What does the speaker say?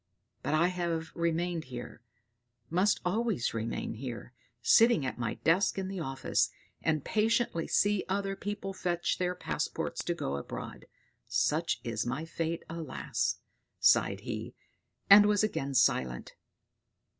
But I have remained here must always remain here, sitting at my desk in the office, and patiently see other people fetch their passports to go abroad. Such is my fate! Alas!" sighed he, and was again silent.